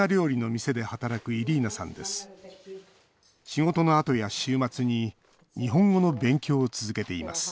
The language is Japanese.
仕事のあとや週末に日本語の勉強を続けています